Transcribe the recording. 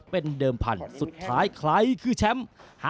เป็นเดิมพันธุ์สุดท้ายใครคือแชมป์